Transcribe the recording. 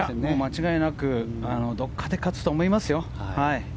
間違いなくどこかで勝つと思いますよ。